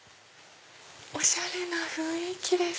おしゃれな雰囲気です！